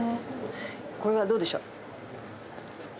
これはどうでしょう？